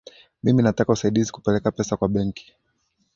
Mimi nataka usaidizi kupeleka pesa kwa benki.